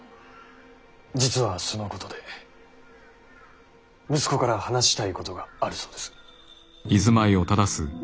実はそのことで息子から話したいことがあるそうです。